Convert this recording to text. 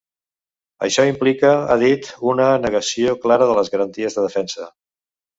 Això implica, ha dit, ‘una negació clara de les garanties de defensa’.